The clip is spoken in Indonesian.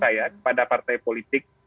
saya pada partai politik